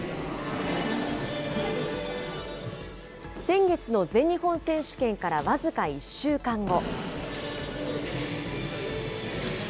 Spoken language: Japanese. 先月の全日本選手権から僅か１週間後。